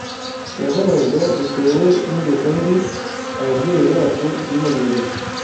Turababazwa bitewe n’ingeso mbi ababyeyi bacu bimenyereje